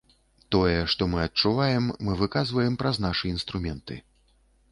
Тое, што мы адчуваем, мы выказваем праз нашы інструменты.